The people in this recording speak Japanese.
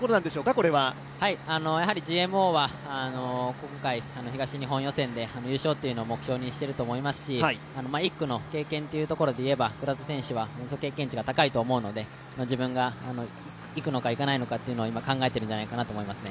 これはＧＭＯは今回、東日本予選で優勝というのを目標にしていると思いますし、１区の経験というところで言えば倉田選手権は経験値が高いと思うので自分が行くのかいかないのかというのを考えているんじゃないでしょうか。